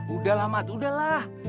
udahlah mat udahlah